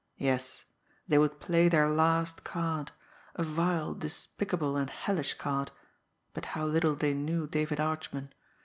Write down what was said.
Yes, they would play their last card, a vile, despicable and hellish card but how little they knew David Archman!